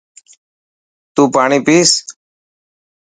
تون پاڻي پئس.